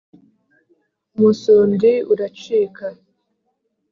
umusundi uracika